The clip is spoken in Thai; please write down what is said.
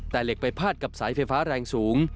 แต่เหล็กไปพาดกับสายไฟฟ้าแรงสูง